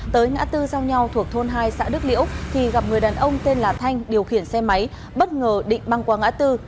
tới ngã tư giao nhau thuộc thôn hai xã đức liễu thì gặp người đàn ông tên là thanh điều khiển xe máy bất ngờ định băng qua ngã tư